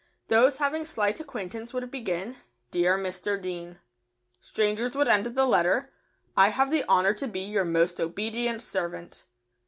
Those having slight acquaintance would begin, "Dear Mr. Dean." Strangers would end the letter, "I have the honour to be Your most obedient servant."